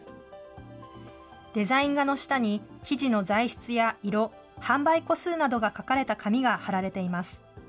デザイン画の下に、生地の材質や色、販売個数などが書かれた紙が貼られています。